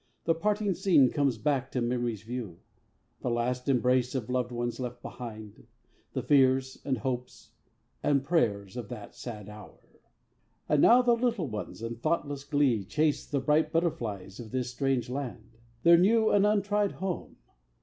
The parting scene comes back to memory's view, The last embrace of loved ones left behind, The fears, and hopes, and prayers of that sad hour. And now the little ones in thoughtless glee Chase the bright butterflies of this strange land, Their new and untried home.